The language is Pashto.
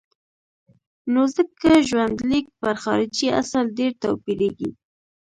نو ځکه ژوندلیک پر خارجي اصل ډېر توپیرېږي.